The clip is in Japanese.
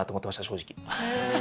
正直。